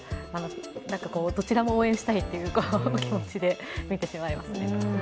どちらも応援したいという気持ちで見てしまいますね。